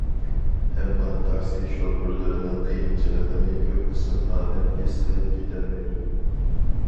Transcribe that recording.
ئەمما تاكسى شوپۇرلىرىنىڭ قىيىنچىلىقىنى كۆپ قىسىم ئادەم ھېس قىلىپ كېتەلمەيدۇ.